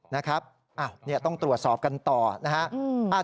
นะครับต้องตรวจสอบกันต่อนะครับ